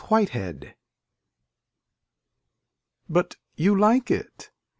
WHITEHEAD But you like it.